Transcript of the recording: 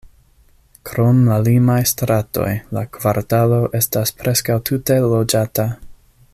Krom la limaj stratoj, la kvartalo estas preskaŭ tute loĝata.